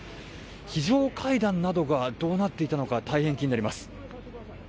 非常階段などがどうなっていたのか大変気になります。